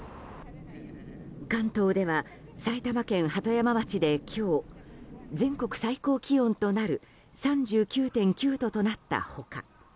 関東では埼玉県鳩山町で今日、全国最高気温となる３９．９度となった他